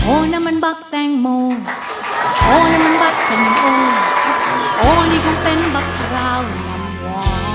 โอ้นั้นมันบั๊กแตงโมโอ้นั้นมันบั๊กเป็นโอ้โอ้นี่คงเป็นบั๊กราวลำวอ่อ